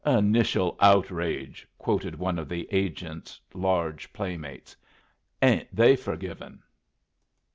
"'Initial outrage,'" quoted one of the agent' large playmates. "Ain't they furgivin'?"